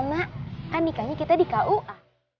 ya mak kan nikahnya kita di kua